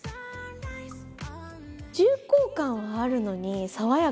重厚感はあるのに爽やか。